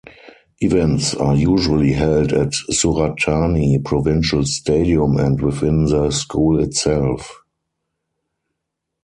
Events are usually held at Surat Thani Provincial stadium and within the school itself.